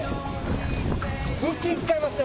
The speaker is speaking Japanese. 腹筋使いますね